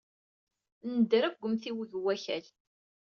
Nedder akk deg umtiweg n Wakal.